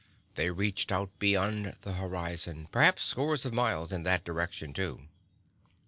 They reached out beyond the horizon,—perhaps scores of miles in that direction, too.